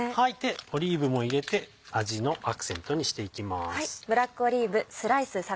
オリーブも入れて味のアクセントにしていきます。